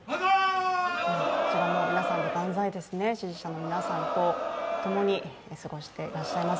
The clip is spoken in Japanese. こちらも皆さんで万歳ですね、支持者の皆さんとともに過ごしていらっしゃいます。